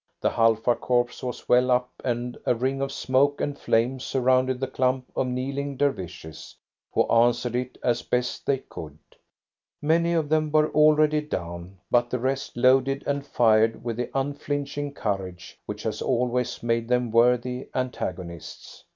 The Halfa Corps was well up, and a ring of smoke and flame surrounded the clump of kneeling Dervishes, who answered it as best they could. Many of them were already down, but the rest loaded and fired with the unflinching courage which has always made them worthy antagonists.